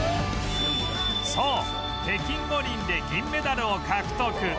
そう北京五輪で銀メダルを獲得